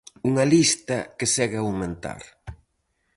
Unha lista que segue a aumentar.